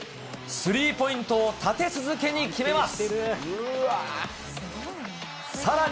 スリーポイントを立て続けに決めます。